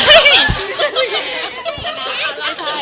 ก็คิดดีกับพี่เจมส์เลย